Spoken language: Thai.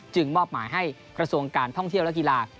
มอบหมายให้กระทรวงการท่องเที่ยวและกีฬา